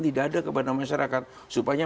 tidak ada kepada masyarakat supaya